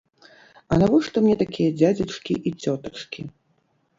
А навошта мне такія дзядзечкі і цётачкі?